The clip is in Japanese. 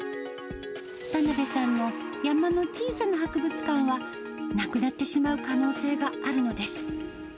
田辺さんの山の小さな博物館は、なくなってしまう可能性があるのです。